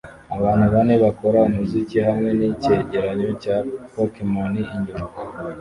Abantu bane bakora umuziki hamwe nicyegeranyo cya pokemon inyuma